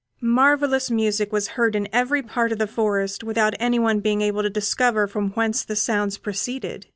Marvellous music was heard in every part of the forest without any one being able to discover from whence the sounds proceeded.